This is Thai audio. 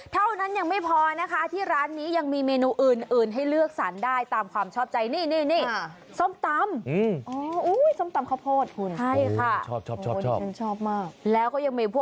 เท่านั้นยังไม่พอนะคะที่ร้านนี้ยังมีเมนูอื่นให้เลือกสารได้ตามความชอบใจ